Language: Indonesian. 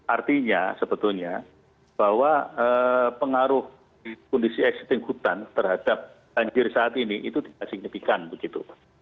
artinya sebetulnya bahwa pengaruh kondisi existing hutan terhadap banjir saat ini itu tidak signifikan begitu